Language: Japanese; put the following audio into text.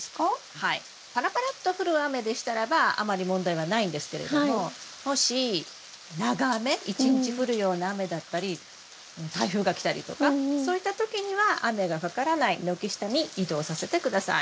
はいパラパラっと降る雨でしたらばあまり問題はないんですけれどももし長雨一日降るような雨だったり台風が来たりとかそういった時には雨がかからない軒下に移動させて下さい。